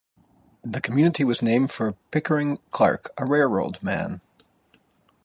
The community was named for Pickering Clark, a railroad man.